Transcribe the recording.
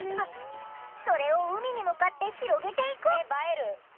それを海に向かって広げていく！